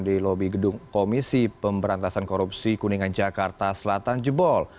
di lobi gedung komisi pemberantasan korupsi kuningan jakarta selatan jebol